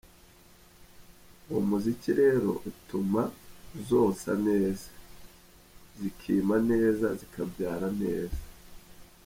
Uwo muziki rero utuma zonsa neza, zikima neza zikabyara neza.